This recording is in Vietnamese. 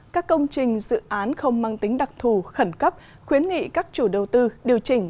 các công trình dự án không mang tính đặc thù khẩn cấp khuyến nghị các chủ đầu tư điều chỉnh